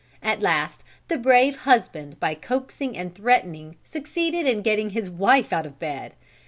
At last the brave husband by coaxing and threatening succeeded in getting his wife out of bed.